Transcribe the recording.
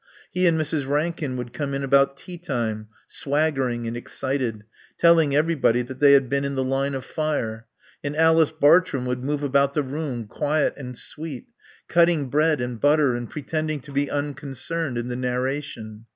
He and Mrs. Rankin would come in about tea time, swaggering and excited, telling everybody that they had been in the line of fire; and Alice Bartrum would move about the room, quiet and sweet, cutting bread and butter and pretending to be unconcerned in the narration.